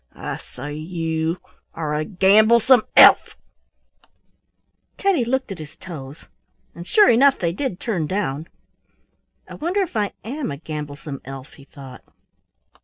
I say you are a gamblesome elf." Teddy looked at his toes and sure enough they did turn down. "I wonder if I am a gamblesome elf," he thought.